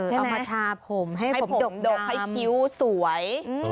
เอามาทาผมให้ผมดกให้คิ้วสวย